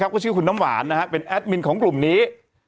ก็ชื่อคุณน้ำหวานเป็นแอดมินของกลุ่มนี้